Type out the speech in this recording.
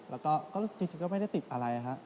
แล้วก็จริงก็ไม่ได้ติดอะไรฮะ